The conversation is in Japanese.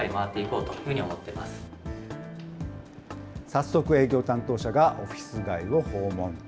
早速、営業担当者がオフィス街を訪問。